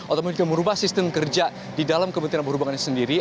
atau mungkin merubah sistem kerja di dalam kementerian perhubungan ini sendiri